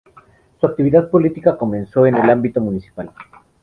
Su actividad política comenzó en el ámbito municipal.